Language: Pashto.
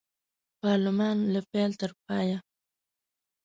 پارلمان له پیل تر پایه